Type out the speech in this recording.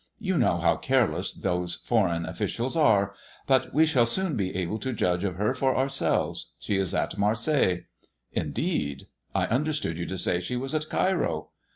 You know how careless those foreign officials are. But we shall soon be able to judge of her for ourselves. She is at Marseilles." Indeed. I understood you to say she was at Cairo."